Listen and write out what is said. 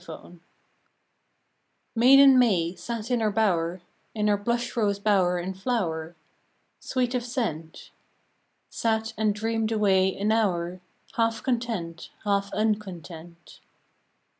VTAIDEN MAY sat in her bower, In her blush rose bower in flower, Sweet of scent; Sat and dreamed away an hour, Half content, half uncontent.